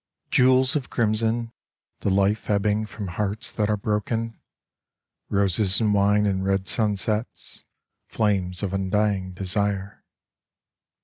Jewels of crimson, the life Ebbing from hearts that are broken, Roses and wine and red sunsets, Flames of undying desire.